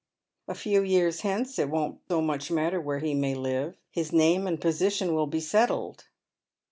A few years hence it won't so much matter where he may live. His name and position will be Bettled."